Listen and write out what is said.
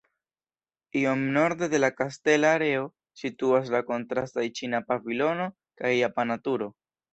Iom norde de la kastela areo situas la kontrastaj ĉina pavilono kaj japana turo.